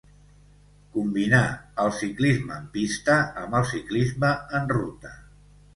Combinà el ciclisme en pista amb el ciclisme en ruta.